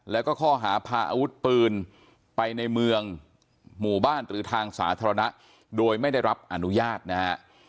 แล้วก็ข้อหาพาอาวุธปืนไปในเมืองหมู่บ้านหรือทางสาธารณะโดยไม่ได้รับอนุญาตนะฮะ